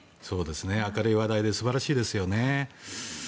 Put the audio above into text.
明るい話題で素晴らしいですよね。